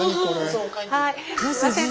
すみません